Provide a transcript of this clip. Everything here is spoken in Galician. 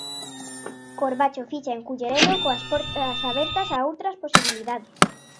Corbacho ficha en Culleredo coas portas abertas a outras posibilidades.